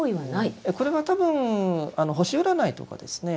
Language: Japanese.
これは多分星占いとかですね